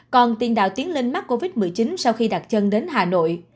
còn tiền đạo tiến linh mắc covid một mươi chín sau khi đặt chân đến hà nội